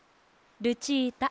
ルチータ。